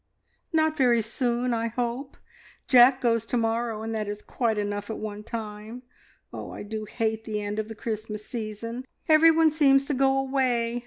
"Not very soon, I hope. Jack goes to morrow, and that is quite enough at one time. Oh, I do hate the end of the Christmas season! Everyone seems to go away.